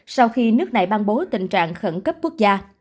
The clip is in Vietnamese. sau khi nước này ban bố tình trạng khẩn cấp quốc gia